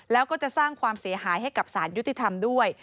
แล้วก็จะสร้างความเสียหายให้กับสารยุติธรรมด้วย